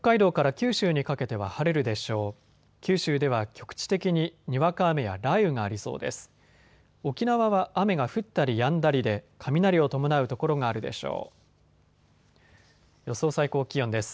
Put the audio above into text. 九州では局地的ににわか雨や雷雨がありそうです。